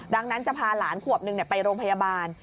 ดังนั้นจะพาหลานขวบนึงไปโรงพยาบาล